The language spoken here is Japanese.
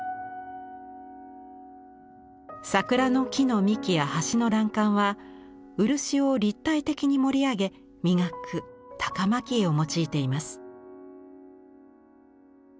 桜の木の幹や橋の欄干は漆を立体的に盛り上げ磨く「高蒔絵」を用いています。